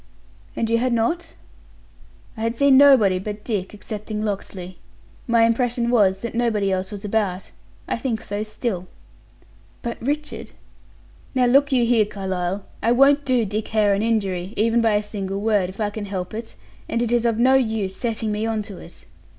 "And you had not?" "I had seen nobody but Dick, excepting Locksley. My impression was, that nobody else was about; I think so still." "But Richard " "Now look you here, Carlyle, I won't do Dick Hare an injury, even by a single word, if I can help it; and it is of no use setting me on to it."